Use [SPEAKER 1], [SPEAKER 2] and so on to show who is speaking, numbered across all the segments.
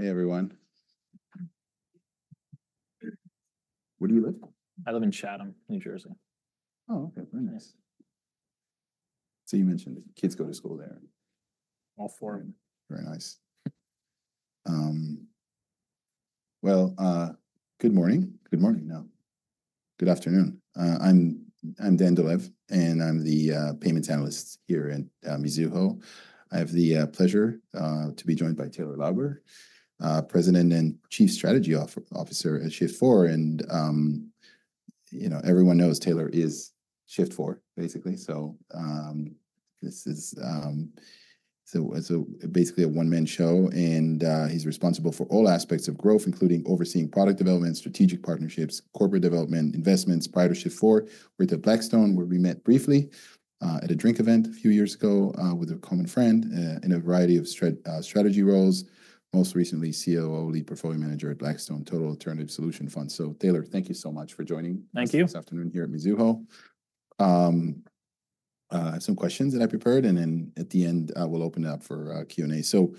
[SPEAKER 1] All right. Hey, everyone. Where do you live?
[SPEAKER 2] I live in Chatham, New Jersey.
[SPEAKER 1] Oh, okay. Very nice. So you mentioned kids go to school there.
[SPEAKER 2] All four.
[SPEAKER 1] Very nice. Well, good morning. Good morning. No. Good afternoon. I'm Dan Dolev, and I'm the Payments Analyst here at Mizuho. I have the pleasure to be joined by Taylor Lauber, President and Chief Strategy Officer at Shift4. And, you know, everyone knows Taylor is Shift4, basically. So this is basically a one-man show, and he's responsible for all aspects of growth, including overseeing product development, strategic partnerships, corporate development, investments, prior to Shift4, with Blackstone, where we met briefly at a drink event a few years ago with a common friend in a variety of strategy roles, most recently COO, Lead Portfolio Manager at Blackstone Total Alternatives Solution Fund. So, Taylor, thank you so much for joining.
[SPEAKER 2] Thank you.
[SPEAKER 1] This afternoon here at Mizuho. Some questions that I prepared, and then at the end, we'll open it up for Q&A. So,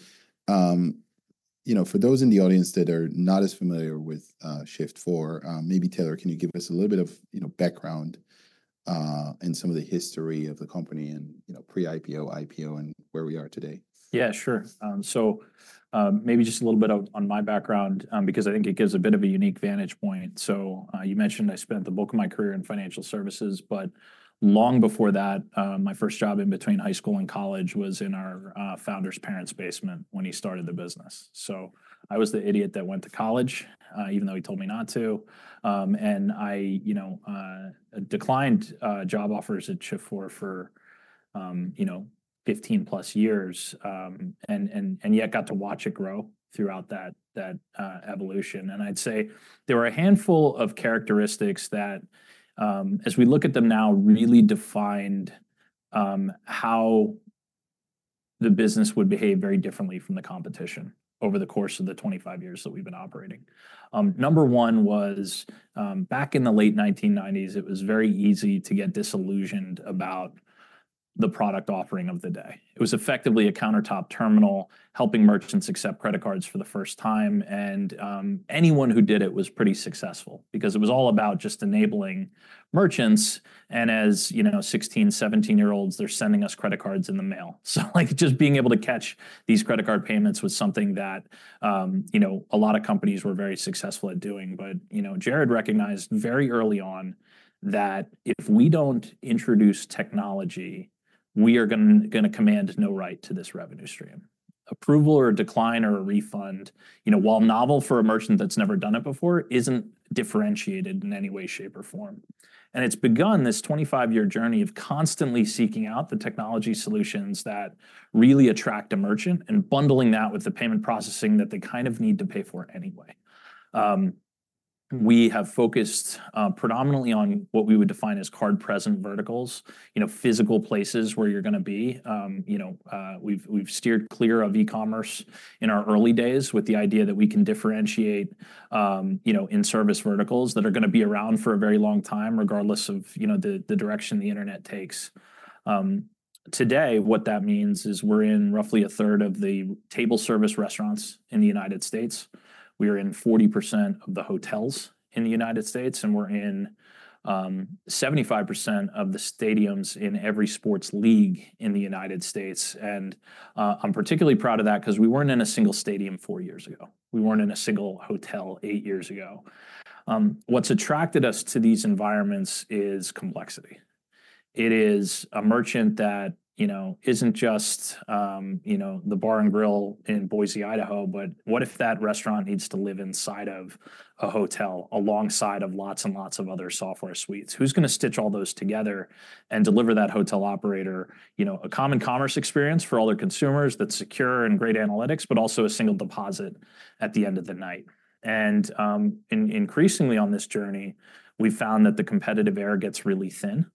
[SPEAKER 1] you know, for those in the audience that are not as familiar with Shift4, maybe, Taylor, can you give us a little bit of, you know, background and some of the history of the company and, you know, pre-IPO, IPO, and where we are today?
[SPEAKER 2] Yeah, sure. So maybe just a little bit on my background, because I think it gives a bit of a unique vantage point. So you mentioned I spent the bulk of my career in financial services, but long before that, my first job in between high school and college was in our founder's parents' basement when he started the business. So I was the idiot that went to college, even though he told me not to. And I, you know, declined job offers at Shift4 for, you know, 15+ years, and yet got to watch it grow throughout that evolution. And I'd say there were a handful of characteristics that, as we look at them now, really defined how the business would behave very differently from the competition over the course of the 25 years that we've been operating. Number one was, back in the late 1990s, it was very easy to get disillusioned about the product offering of the day. It was effectively a countertop terminal helping merchants accept credit cards for the first time. And anyone who did it was pretty successful because it was all about just enabling merchants. And as, you know, 16- and 17-year-olds, they're sending us credit cards in the mail. So, like, just being able to catch these credit card payments was something that, you know, a lot of companies were very successful at doing. But, you know, Jared recognized very early on that if we don't introduce technology, we are going to command no right to this revenue stream. Approval or a decline or a refund, you know, while novel for a merchant that's never done it before, isn't differentiated in any way, shape, or form. It's begun this 25-year journey of constantly seeking out the technology solutions that really attract a merchant and bundling that with the payment processing that they kind of need to pay for anyway. We have focused predominantly on what we would define as card-present verticals, you know, physical places where you're going to be. You know, we've steered clear of e-commerce in our early days with the idea that we can differentiate, you know, in service verticals that are going to be around for a very long time, regardless of, you know, the direction the internet takes. Today, what that means is we're in roughly a third of the table service restaurants in the United States. We are in 40% of the hotels in the United States, and we're in 75% of the stadiums in every sports league in the United States. And I'm particularly proud of that because we weren't in a single stadium four years ago. We weren't in a single hotel 8 years ago. What's attracted us to these environments is complexity. It is a merchant that, you know, isn't just, you know, the bar and grill in Boise, Idaho, but what if that restaurant needs to live inside of a hotel alongside of lots and lots of other software suites? Who's going to stitch all those together and deliver that hotel operator, you know, a common commerce experience for all their consumers that's secure and great analytics, but also a single deposit at the end of the night? And increasingly on this journey, we've found that the competitive air gets really thin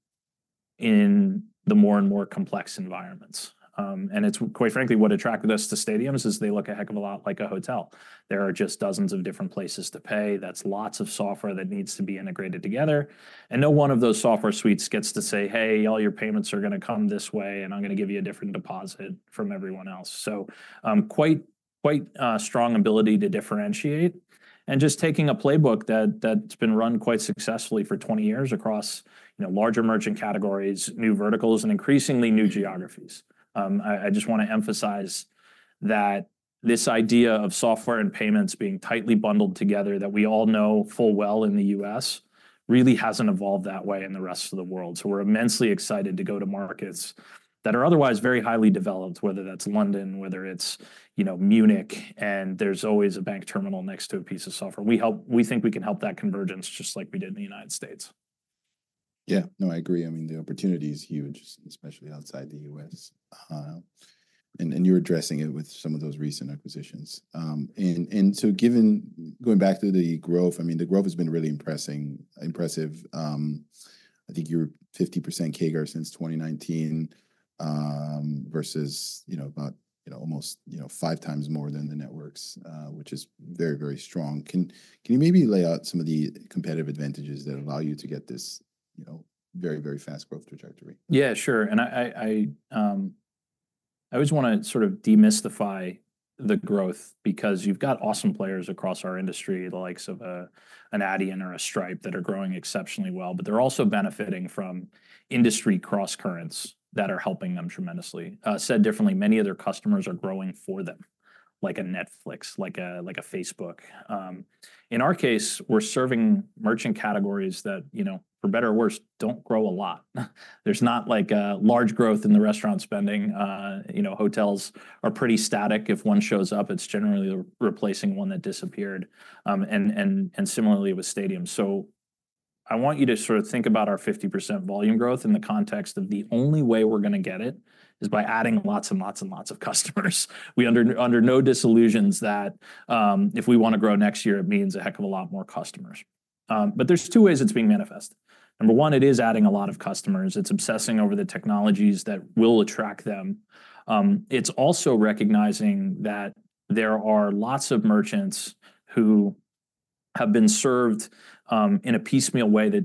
[SPEAKER 2] in the more and more complex environments. It's, quite frankly, what attracted us to stadiums is they look a heck of a lot like a hotel. There are just dozens of different places to pay. That's lots of software that needs to be integrated together. And no one of those software suites gets to say, "Hey, all your payments are going to come this way, and I'm going to give you a different deposit from everyone else." So quite a strong ability to differentiate and just taking a playbook that's been run quite successfully for 20 years across, you know, larger merchant categories, new verticals, and increasingly new geographies. I just want to emphasize that this idea of software and payments being tightly bundled together that we all know full well in the U.S. really hasn't evolved that way in the rest of the world. So we're immensely excited to go to markets that are otherwise very highly developed, whether that's London, whether it's, you know, Munich, and there's always a bank terminal next to a piece of software. We think we can help that convergence just like we did in the United States.
[SPEAKER 1] Yeah. No, I agree. I mean, the opportunity is huge, especially outside the U.S. And you're addressing it with some of those recent acquisitions. And so given going back to the growth, I mean, the growth has been really impressive. I think you're 50% CAGR since 2019 versus, you know, about, you know, almost, you know, five times more than the networks, which is very, very strong. Can you maybe lay out some of the competitive advantages that allow you to get this, you know, very, very fast growth trajectory?
[SPEAKER 2] Yeah, sure. And I always want to sort of demystify the growth because you've got awesome players across our industry, the likes of an Adyen or a Stripe that are growing exceptionally well, but they're also benefiting from industry cross-currents that are helping them tremendously. Said differently, many of their customers are growing for them, like a Netflix, like a Facebook. In our case, we're serving merchant categories that, you know, for better or worse, don't grow a lot. There's not, like, a large growth in the restaurant spending. You know, hotels are pretty static. If one shows up, it's generally replacing one that disappeared. And similarly with stadiums. So I want you to sort of think about our 50% volume growth in the context of the only way we're going to get it is by adding lots and lots and lots of customers. We are under no illusions that if we want to grow next year, it means a heck of a lot more customers. But there are two ways it's being manifested. Number one, it is adding a lot of customers. It's obsessing over the technologies that will attract them. It's also recognizing that there are lots of merchants who have been served in a piecemeal way that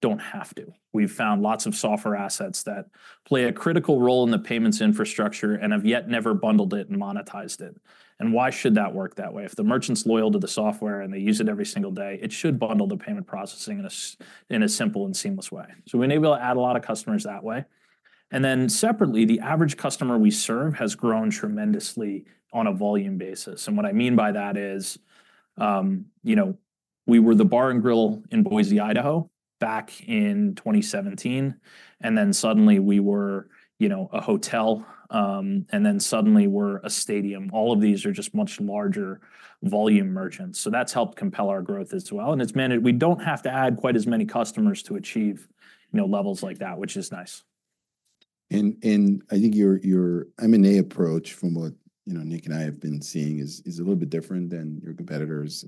[SPEAKER 2] don't have to. We've found lots of software assets that play a critical role in the payments infrastructure and have yet never bundled it and monetized it. And why should that work that way? If the merchant's loyal to the software and they use it every single day, it should bundle the payment processing in a simple and seamless way. So we've been able to add a lot of customers that way. Then separately, the average customer we serve has grown tremendously on a volume basis. And what I mean by that is, you know, we were the bar and grill in Boise, Idaho, back in 2017, and then suddenly we were, you know, a hotel, and then suddenly we're a stadium. All of these are just much larger volume merchants. So that's helped compel our growth as well. And it's meant we don't have to add quite as many customers to achieve, you know, levels like that, which is nice.
[SPEAKER 1] And I think your M&A approach from what, you know, Nick and I have been seeing is a little bit different than your competitors.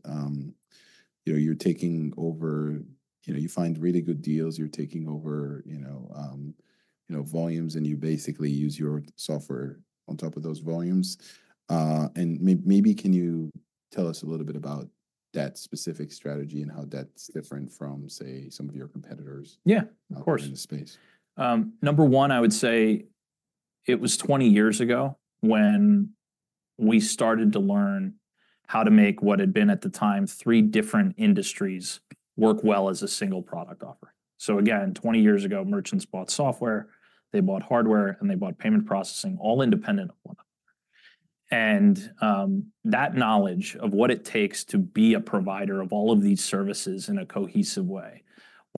[SPEAKER 1] You know, you're taking over, you know, you find really good deals. You're taking over, you know, volumes, and you basically use your software on top of those volumes. And maybe can you tell us a little bit about that specific strategy and how that's different from, say, some of your competitors?
[SPEAKER 2] Yeah, of course.
[SPEAKER 1] In the space.
[SPEAKER 2] Number one, I would say it was 20 years ago when we started to learn how to make what had been at the time three different industries work well as a single product offer. So again, 20 years ago, merchants bought software, they bought hardware, and they bought payment processing all independent of one another. That knowledge of what it takes to be a provider of all of these services in a cohesive way,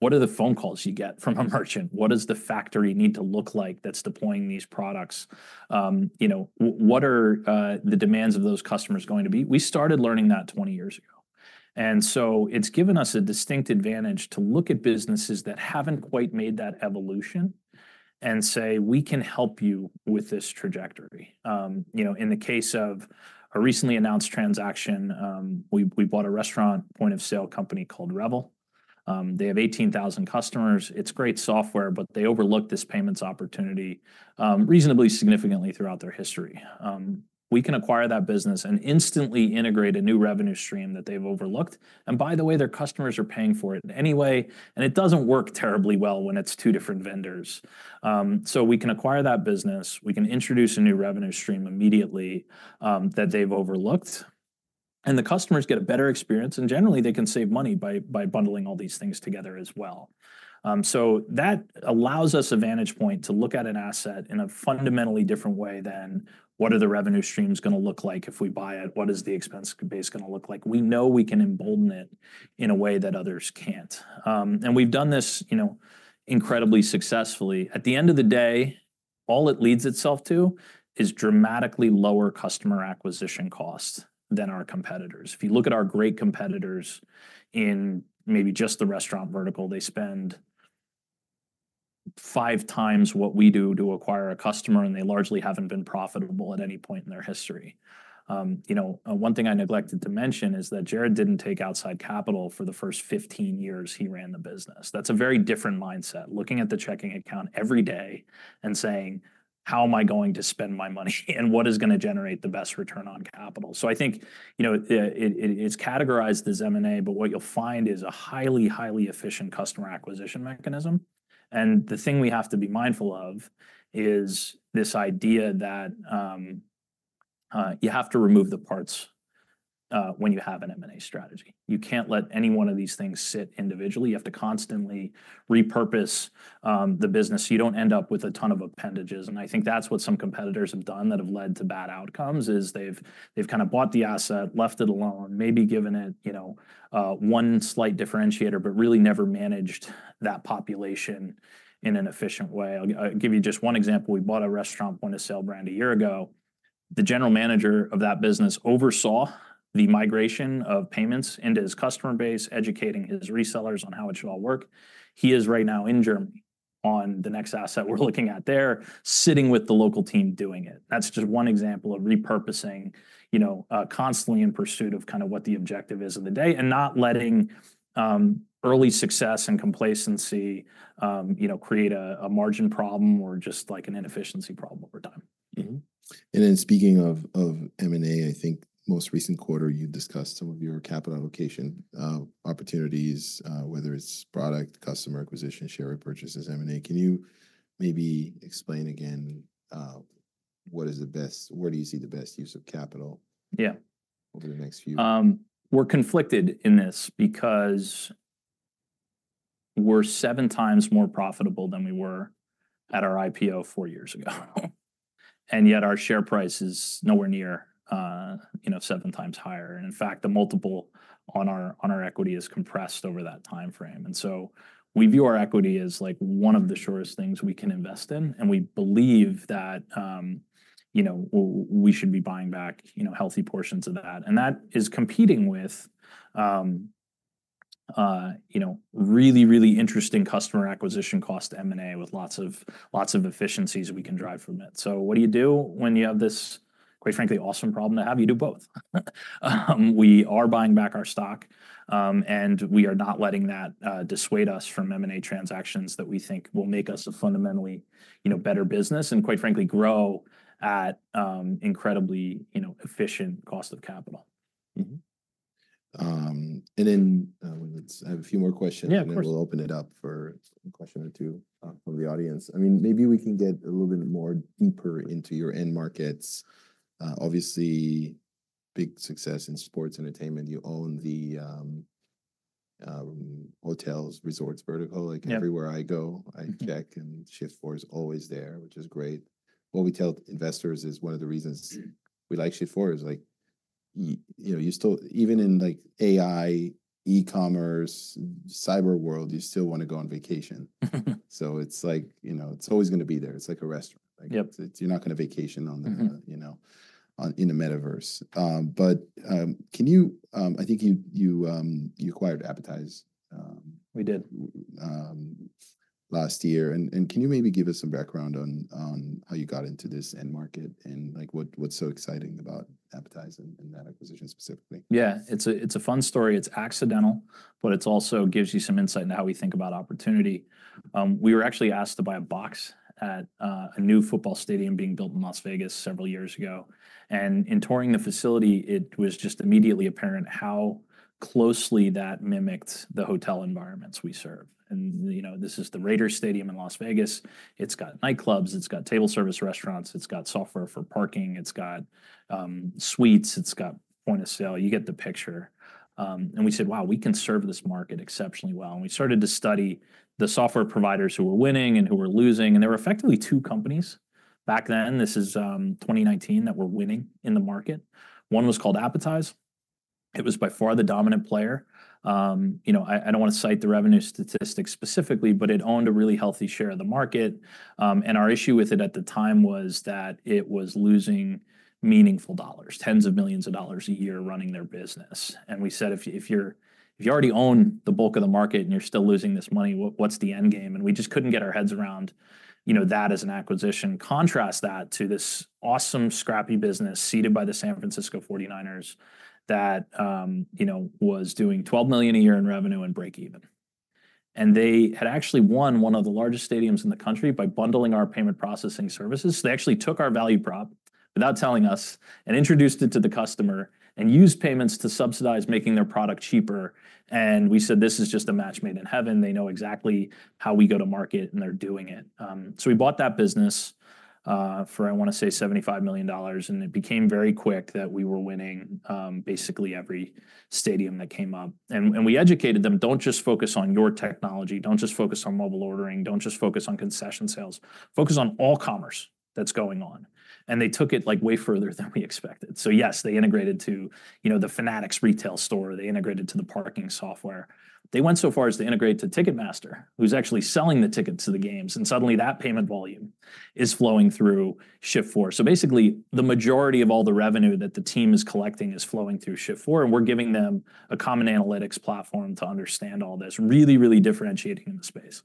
[SPEAKER 2] what are the phone calls you get from a merchant? What does the factory need to look like that's deploying these products? You know, what are the demands of those customers going to be? We started learning that 20 years ago. And so it's given us a distinct advantage to look at businesses that haven't quite made that evolution and say, "We can help you with this trajectory." You know, in the case of a recently announced transaction, we bought a restaurant point-of-sale company called Revel. They have 18,000 customers. It's great software, but they overlooked this payments opportunity reasonably significantly throughout their history. We can acquire that business and instantly integrate a new revenue stream that they've overlooked. And by the way, their customers are paying for it anyway, and it doesn't work terribly well when it's two different vendors. So we can acquire that business. We can introduce a new revenue stream immediately that they've overlooked, and the customers get a better experience, and generally, they can save money by bundling all these things together as well. So that allows us a vantage point to look at an asset in a fundamentally different way than what are the revenue streams going to look like if we buy it. What is the expense base going to look like? We know we can embolden it in a way that others can't. And we've done this, you know, incredibly successfully. At the end of the day, all it leads itself to is dramatically lower customer acquisition costs than our competitors. If you look at our great competitors in maybe just the restaurant vertical, they spend five times what we do to acquire a customer, and they largely haven't been profitable at any point in their history. You know, one thing I neglected to mention is that Jared didn't take outside capital for the first 15 years he ran the business. That's a very different mindset, looking at the checking account every day and saying, "How am I going to spend my money and what is going to generate the best return on capital?" So I think, you know, it's categorized as M&A, but what you'll find is a highly, highly efficient customer acquisition mechanism. And the thing we have to be mindful of is this idea that you have to remove the parts when you have an M&A strategy. You can't let any one of these things sit individually. You have to constantly repurpose the business. You don't end up with a ton of appendages. And I think that's what some competitors have done that have led to bad outcomes is they've kind of bought the asset, left it alone, maybe given it, you know, one slight differentiator, but really never managed that population in an efficient way. I'll give you just one example. We bought a restaurant point-of-sale brand a year ago. The general manager of that business oversaw the migration of payments into his customer base, educating his resellers on how it should all work. He is right now in Germany on the next asset we're looking at there, sitting with the local team doing it. That's just one example of repurposing, you know, constantly in pursuit of kind of what the objective is of the day and not letting early success and complacency, you know, create a margin problem or just like an inefficiency problem over time.
[SPEAKER 1] And then speaking of M&A, I think most recent quarter, you discussed some of your capital allocation opportunities, whether it's product, customer acquisition, share repurchases, M&A. Can you maybe explain again what is the best, where do you see the best use of capital?
[SPEAKER 2] Yeah.
[SPEAKER 1] Over the next few.
[SPEAKER 2] We're conflicted in this because we're seven times more profitable than we were at our IPO four years ago. And yet our share price is nowhere near, you know, seven times higher. And in fact, the multiple on our equity is compressed over that time frame. And so we view our equity as like one of the surest things we can invest in, and we believe that, you know, we should be buying back, you know, healthy portions of that. And that is competing with, you know, really, really interesting customer acquisition cost M&A with lots of efficiencies we can drive from it. So what do you do when you have this, quite frankly, awesome problem to have? You do both. We are buying back our stock, and we are not letting that dissuade us from M&A transactions that we think will make us a fundamentally, you know, better business and, quite frankly, grow at incredibly, you know, efficient cost of capital.
[SPEAKER 1] And then we have a few more questions, and then we'll open it up for a question or two from the audience. I mean, maybe we can get a little bit more deeper into your end markets. Obviously, big success in sports entertainment. You own the hotels, resorts vertical. Like everywhere I go, I check, and Shift4 is always there, which is great. What we tell investors is one of the reasons we like Shift4 is like, you know, you still, even in like AI, e-commerce, cyber world, you still want to go on vacation. So it's like, you know, it's always going to be there. It's like a restaurant. Like you're not going to vacation on the, you know, in the metaverse. But can you, I think you acquired Appetize.
[SPEAKER 2] We did.
[SPEAKER 1] Last year. And can you maybe give us some background on how you got into this end market and like what's so exciting about Appetize and that acquisition specifically?
[SPEAKER 2] Yeah, it's a fun story. It's accidental, but it also gives you some insight into how we think about opportunity. We were actually asked to buy a box at a new football stadium being built in Las Vegas several years ago. And in touring the facility, it was just immediately apparent how closely that mimicked the hotel environments we serve. And you know, this is the Raiders Stadium in Las Vegas. It's got nightclubs. It's got table service restaurants. It's got software for parking. It's got suites. It's got point-of-sale. You get the picture. And we said, "Wow, we can serve this market exceptionally well." And we started to study the software providers who were winning and who were losing. And there were effectively two companies back then, this is 2019, that were winning in the market. One was called Appetize. It was by far the dominant player. You know, I don't want to cite the revenue statistics specifically, but it owned a really healthy share of the market. Our issue with it at the time was that it was losing meaningful dollars, $10s of millions a year running their business. We said, "If you already own the bulk of the market and you're still losing this money, what's the end game?" We just couldn't get our heads around, you know, that as an acquisition. Contrast that to this awesome scrappy business seeded by the San Francisco 49ers that, you know, was doing $12 million a year in revenue and breakeven. They had actually won one of the largest stadiums in the country by bundling our payment processing services. They actually took our value prop without telling us and introduced it to the customer and used payments to subsidize making their product cheaper. And we said, "This is just a match made in heaven. They know exactly how we go to market, and they're doing it." So we bought that business for, I want to say, $75 million. And it became very quick that we were winning basically every stadium that came up. And we educated them, "Don't just focus on your technology. Don't just focus on mobile ordering. Don't just focus on concession sales. Focus on all commerce that's going on." And they took it like way further than we expected. So yes, they integrated to, you know, the Fanatics retail store. They integrated to the parking software. They went so far as to integrate to Ticketmaster, who's actually selling the tickets to the games. And suddenly that payment volume is flowing through Shift4. So basically, the majority of all the revenue that the team is collecting is flowing through Shift4, and we're giving them a common analytics platform to understand all this, really, really differentiating in the space.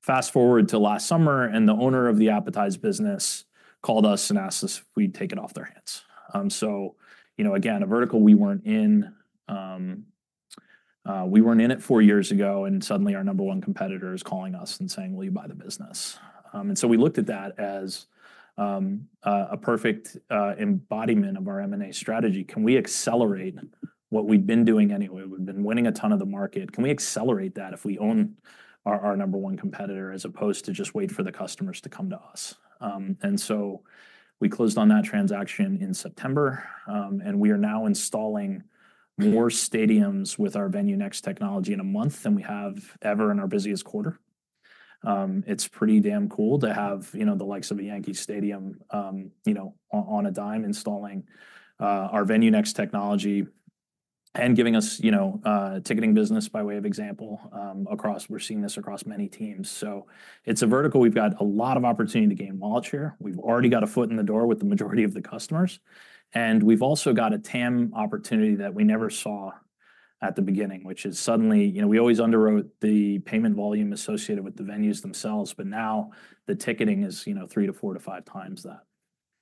[SPEAKER 2] Fast forward to last summer, and the owner of the Appetize business called us and asked us if we'd take it off their hands. So, you know, again, a vertical we weren't in. We weren't in it four years ago, and suddenly our number one competitor is calling us and saying, "Will you buy the business?" And so we looked at that as a perfect embodiment of our M&A strategy. Can we accelerate what we've been doing anyway? We've been winning a ton of the market. Can we accelerate that if we own our number one competitor as opposed to just wait for the customers to come to us? And so we closed on that transaction in September, and we are now installing more stadiums with our VenueNext technology in a month than we have ever in our busiest quarter. It's pretty damn cool to have, you know, the likes of a Yankee Stadium, you know, on a dime installing our VenueNext technology and giving us, you know, ticketing business by way of example across, we're seeing this across many teams. So it's a vertical we've got a lot of opportunity to gain while it's here. We've already got a foot in the door with the majority of the customers. We've also got a TAM opportunity that we never saw at the beginning, which is suddenly, you know, we always underwrote the payment volume associated with the venues themselves, but now the ticketing is, you know, three to four to five times that.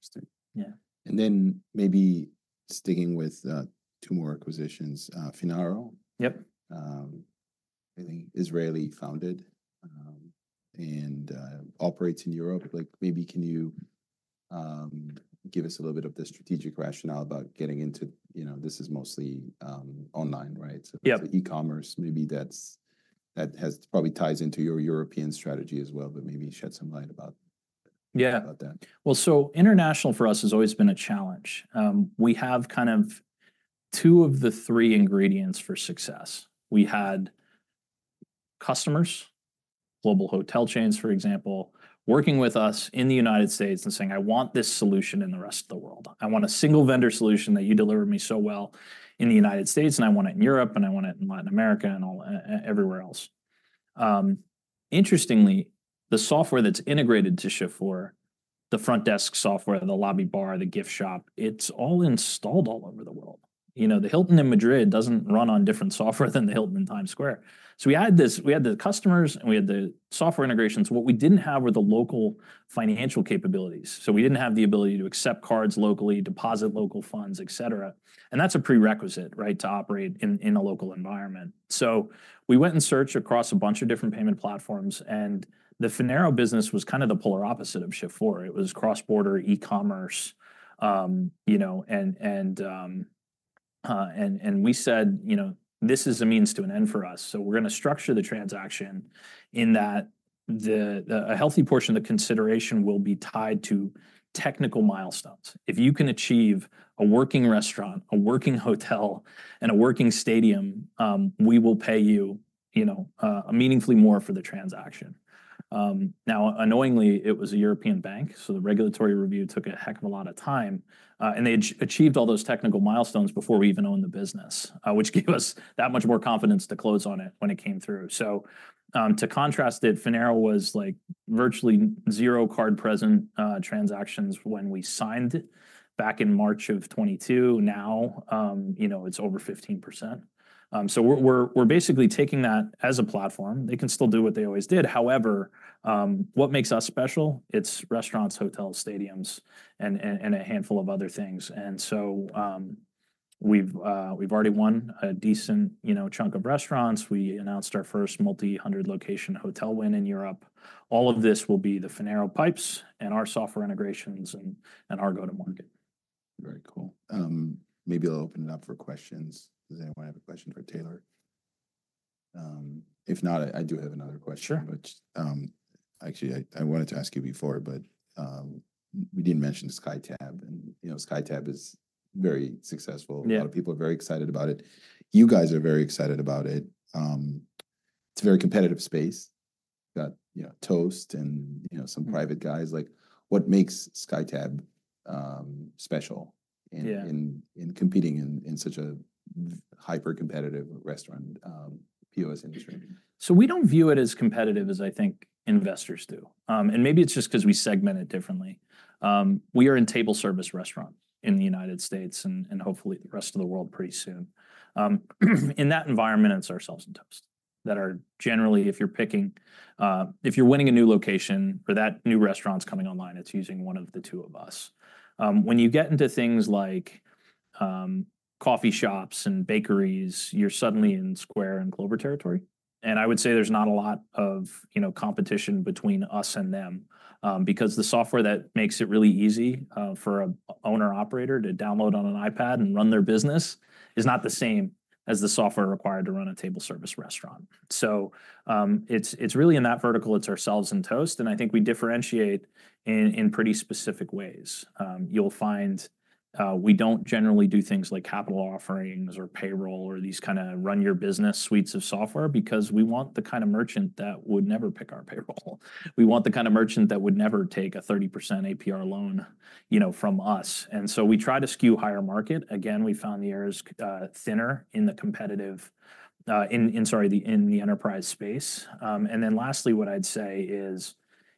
[SPEAKER 1] Interesting.
[SPEAKER 2] Yeah.
[SPEAKER 1] And then maybe sticking with two more acquisitions, Finaro.
[SPEAKER 2] Yep.
[SPEAKER 1] I think Israeli founded and operates in Europe. Like maybe can you give us a little bit of the strategic rationale about getting into, you know, this is mostly online, right?
[SPEAKER 2] Yep.
[SPEAKER 1] So e-commerce, maybe that has probably ties into your European strategy as well, but maybe shed some light about that.
[SPEAKER 2] Yeah. Well, so international for us has always been a challenge. We have kind of two of the three ingredients for success. We had customers, global hotel chains, for example, working with us in the United States and saying, "I want this solution in the rest of the world. I want a single vendor solution that you deliver me so well in the United States, and I want it in Europe, and I want it in Latin America and everywhere else." Interestingly, the software that's integrated to Shift4, the front desk software, the lobby bar, the gift shop, it's all installed all over the world. You know, the Hilton in Madrid doesn't run on different software than the Hilton in Times Square. So we had this, we had the customers and we had the software integrations. What we didn't have were the local financial capabilities. So we didn't have the ability to accept cards locally, deposit local funds, et cetera. That's a prerequisite, right, to operate in a local environment. We went and searched across a bunch of different payment platforms, and the Finaro business was kind of the polar opposite of Shift4. It was cross-border e-commerce, you know, and we said, you know, this is a means to an end for us. We're going to structure the transaction in that a healthy portion of the consideration will be tied to technical milestones. If you can achieve a working restaurant, a working hotel, and a working stadium, we will pay you, you know, meaningfully more for the transaction. Now, annoyingly, it was a European bank, so the regulatory review took a heck of a lot of time, and they achieved all those technical milestones before we even owned the business, which gave us that much more confidence to close on it when it came through. So to contrast it, Finaro was like virtually zero card present transactions when we signed it back in March of 2022. Now, you know, it's over 15%. So we're basically taking that as a platform. They can still do what they always did. However, what makes us special? It's restaurants, hotels, stadiums, and a handful of other things. And so we've already won a decent, you know, chunk of restaurants. We announced our first multi-hundred location hotel win in Europe. All of this will be the Finaro pipes and our software integrations and our go-to-market.
[SPEAKER 1] Very cool. Maybe I'll open it up for questions. Does anyone have a question for Taylor? If not, I do have another question.
[SPEAKER 2] Sure.
[SPEAKER 1] Which actually I wanted to ask you before, but we didn't mention SkyTab. And you know, SkyTab is very successful. A lot of people are very excited about it. You guys are very excited about it. It's a very competitive space. You've got, you know, Toast and, you know, some private guys. Like what makes SkyTab special in competing in such a hyper-competitive restaurant POS industry?
[SPEAKER 2] So we don't view it as competitive as I think investors do. Maybe it's just because we segment it differently. We are in table service restaurants in the United States and hopefully the rest of the world pretty soon. In that environment, it's ourselves and Toast that are generally, if you're picking, if you're winning a new location for that new restaurant's coming online, it's using one of the two of us. When you get into things like coffee shops and bakeries, you're suddenly in Square and Clover territory. I would say there's not a lot of, you know, competition between us and them because the software that makes it really easy for an owner-operator to download on an iPad and run their business is not the same as the software required to run a table service restaurant. So it's really in that vertical. It's ourselves and Toast. And I think we differentiate in pretty specific ways. You'll find we don't generally do things like capital offerings or payroll or these kind of run-your-business suites of software because we want the kind of merchant that would never pick our payroll. We want the kind of merchant that would never take a 30% APR loan, you know, from us. And so we try to skew higher market. Again, we found the margins thinner in the competitive, in, sorry, in the enterprise space. And then lastly, what I'd say is,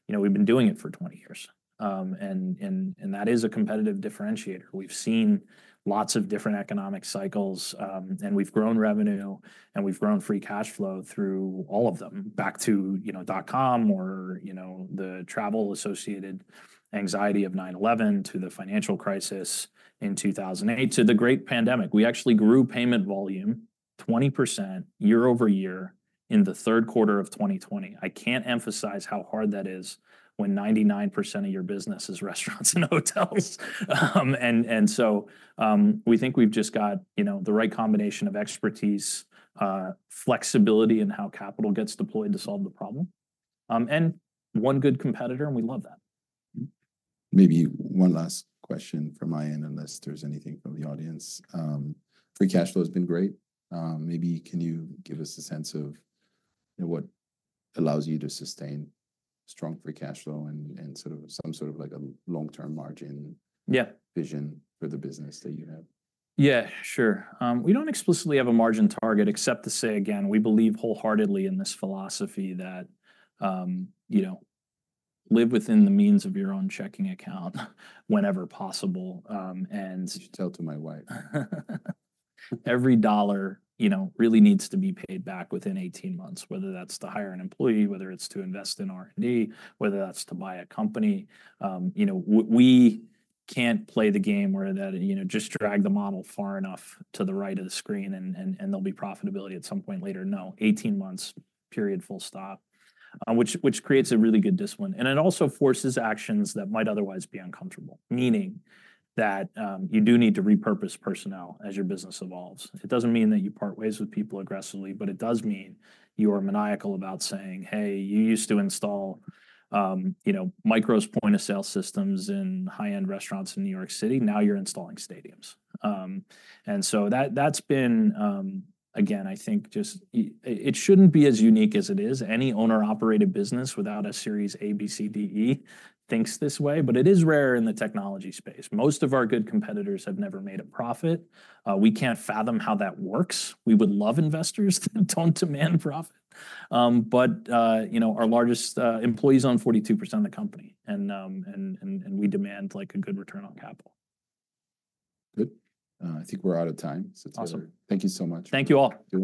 [SPEAKER 2] you know, we've been doing it for 20 years. And that is a competitive differentiator. We've seen lots of different economic cycles, and we've grown revenue, and we've grown free cash flow through all of them back to, you know, dot-com or, you know, the travel-associated anxiety of 9/11 to the financial crisis in 2008 to the great pandemic. We actually grew payment volume 20% year-over-year in the third quarter of 2020. I can't emphasize how hard that is when 99% of your business is restaurants and hotels. And so we think we've just got, you know, the right combination of expertise, flexibility, and how capital gets deployed to solve the problem. And one good competitor, and we love that.
[SPEAKER 1] Maybe one last question from my end unless there's anything from the audience. Free cash flow has been great. Maybe can you give us a sense of what allows you to sustain strong free cash flow and sort of some sort of like a long-term margin vision for the business that you have?
[SPEAKER 2] Yeah, sure. We don't explicitly have a margin target except to say, again, we believe wholeheartedly in this philosophy that, you know, live within the means of your own checking account whenever possible. And.
[SPEAKER 1] You should tell it to my wife.
[SPEAKER 2] Every dollar, you know, really needs to be paid back within 18 months, whether that's to hire an employee, whether it's to invest in R&D, whether that's to buy a company. You know, we can't play the game where that, you know, just drag the model far enough to the right of the screen and there'll be profitability at some point later. No, 18 months period, full stop, which creates a really good discipline. And it also forces actions that might otherwise be uncomfortable, meaning that you do need to repurpose personnel as your business evolves. It doesn't mean that you part ways with people aggressively, but it does mean you are maniacal about saying, "Hey, you used to install, you know, MICROS point-of-sale systems in high-end restaurants in New York City. Now you're installing stadiums." So that's been, again, I think just it shouldn't be as unique as it is. Any owner-operated business without a Series A, B, C, D, E thinks this way, but it is rare in the technology space. Most of our good competitors have never made a profit. We can't fathom how that works. We would love investors that don't demand profit, but, you know, our largest employees own 42% of the company, and we demand like a good return on capital.
[SPEAKER 1] Good. I think we're out of time.
[SPEAKER 2] Awesome.
[SPEAKER 1] Thank you so much.
[SPEAKER 2] Thank you all.